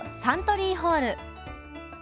サントリーホール。